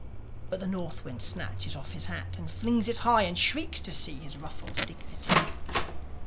But the North wind snatches off his hat, And flings it high, and shrieks to see His ruffled dignity.